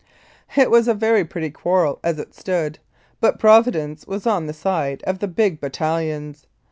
It was a very pretty quarrel as it stood, but Provi dence was on the side of the big battalions.